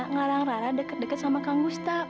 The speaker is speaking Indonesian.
ngalang rara deket deket sama kang gustaf